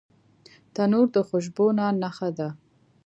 تنور د خوشبو نان نښه ده